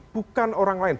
bukan orang lain